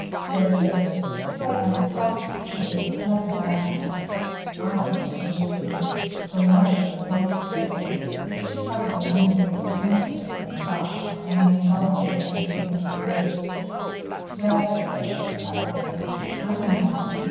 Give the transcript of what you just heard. Billy said, "She's quite nice to talk to, too. I like her laugh." Arnold said, maliciously, "She'll never read your poetry, Billy. She probably only reads Tennyson's and Scott's and the Anthology of Nineteenth Century Verse." "Well," said Billy, placidly, "I'm in that.